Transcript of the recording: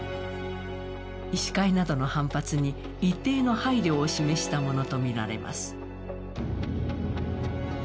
医師会などの反発に一定の配慮を示したものとみられます。